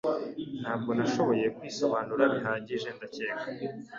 Ntabwo nashoboye kwisobanura bihagije ndakeka.